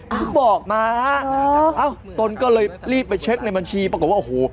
เขาบอกมาเอ้าตนก็เลยรีบไปเช็คในบัญชีปรากฏว่าโอ้โห